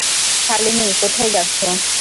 শালিনী, কোথায় যাচ্ছ?